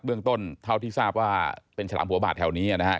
เรื่องต้นเท่าที่ทราบว่าเป็นฉลามหัวบาดแถวนี้นะครับ